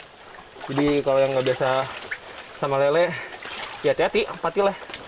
jadi kalau yang nggak biasa sama lele ya hati hati pati leh